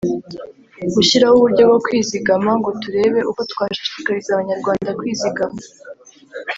gushyiraho uburyo bwo kwizigama ngo turebe uko twashishikariza Abanyarwanda kwizigama